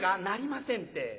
「なりませんって。